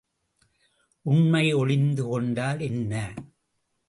உண்மை ஒளிந்து கொண்டால் என்ன?